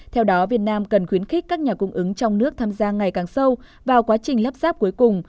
theo đó việt nam cần khuyến khích các nhà cung ứng trong nước tham gia ngày càng sâu vào quá trình lắp ráp cuối cùng